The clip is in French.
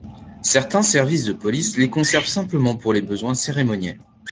Certains services de police les conservent simplement pour les besoins cérémoniels.